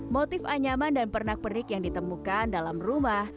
motif anyaman dan pernak pernik yang ditemukan dalam rumah